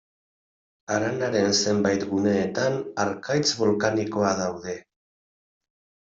Haranaren zenbait guneetan harkaitz bolkanikoa daude.